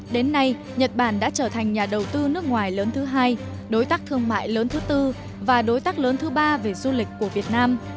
đến nay nhật bản đã trở thành nhà đầu tư nước ngoài lớn thứ hai đối tác thương mại lớn thứ tư và đối tác lớn thứ ba về du lịch của việt nam